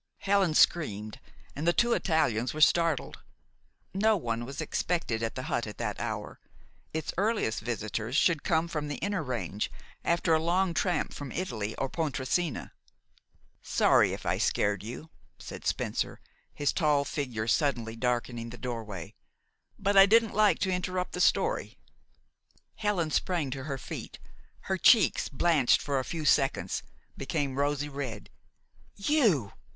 Helen screamed, and the two Italians were startled. No one was expected at the hut at that hour. Its earliest visitors should come from the inner range, after a long tramp from Italy or Pontresina. "Sorry if I scared you," said Spencer, his tall figure suddenly darkening the doorway; "but I didn't like to interrupt the story." Helen sprang to her feet. Her cheeks, blanched for a few seconds, became rosy red. "You!"